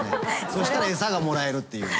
そしたら餌がもらえるっていう。